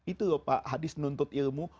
itu lho pak hadis nuntut ilmu